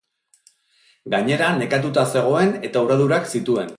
Gainera, nekatuta zegoen eta urradurak zituen.